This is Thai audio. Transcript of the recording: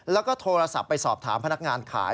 แล้วก็โทรศัพท์ไปสอบถามพนักงานขาย